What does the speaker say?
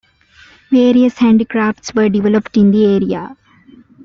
Various handicrafts were developed in the area.